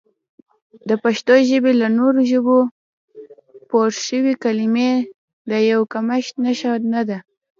د پښتو ژبې له نورو ژبو پورشوي کلمې د یو کمښت نښه نه ده